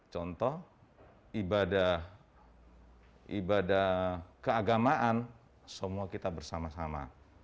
contoh ibadah keagamaan semua kita bersama sama